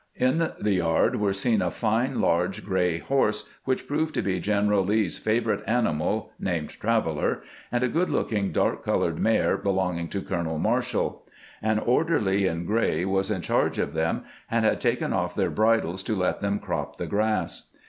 In the yard were seen a fine, large gray horse, which proved to be G eneral Lee's favorite animal, called "Traveler," and a good looking, dark colored mare be longing to Colonel Marshall. An orderly in gray was in charge of them, and had taken off their bridles to let them crop the grass.